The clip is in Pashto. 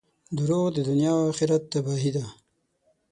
• دروغ د دنیا او آخرت تباهي ده.